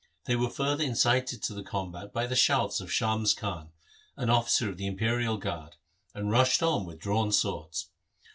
They were further incited to the combat by the shouts of Shams Khan, an officer of the imperial guard, and rushed on with drawn swords.